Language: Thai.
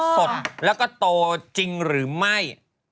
สดแล้วก็โตจริงหรือไม่